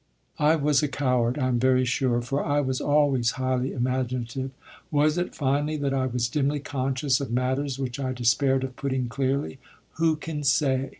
I was a coward, I am very sure, for I was always highly imaginative. Was it, finally, that I was dimly conscious of matters which I despaired of putting clearly? Who can say?